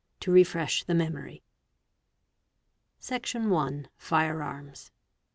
to refresh the memory. | Section i.—Fire arms.